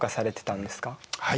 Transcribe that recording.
はい。